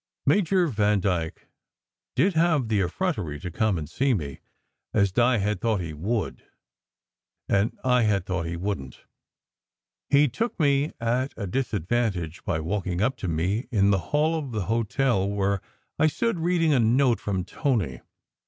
Major Vandyke did have the effrontery to come and see me, as Di had thought he would, and I had thought he wouldn t. He took me at a disadvantage by walking up to me in the hall of the hotel, where I stood reading a note from Tony.